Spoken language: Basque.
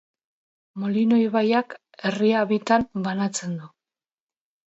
Molino ibaiak herria bitan banatzen du.